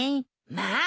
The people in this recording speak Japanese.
まあ！